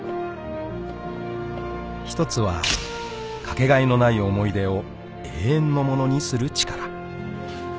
［１つはかけがえのない思い出を永遠のものにする力］